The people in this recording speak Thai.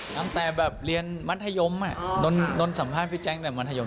ตั้งแต่แบบเรียนมัธยมโดนสัมภาษณ์พี่แจ๊คตั้งแต่มัธยม